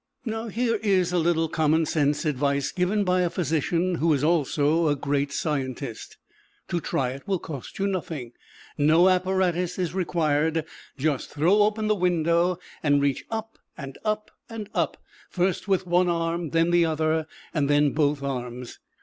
Here is a little commonsense advice given by a physician who is also a great scientist. To try it will cost you nothing no apparatus is required just throw open the window and reach up and up and up, first with one arm, then the other, and then both arms.